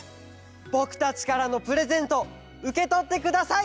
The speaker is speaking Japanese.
ぼくたちからのプレゼントうけとってください。